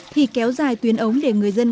thì kéo dài tuyến ống để người dân